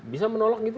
bisa menolak gitu